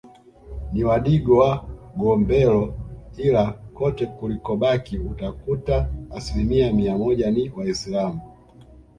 Ni wadigo wa Gombero Ila kote kulikobaki utakuta asilimia mia moja ni waisilamu